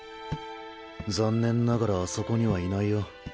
残念ながらあそこにはいないよ。